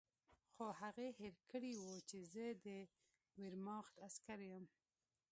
خو هغې هېر کړي وو چې زه د ویرماخت عسکر یم